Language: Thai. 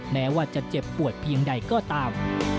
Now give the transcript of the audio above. แม้ว่าจะเจ็บปวดเพียงใดก็ตาม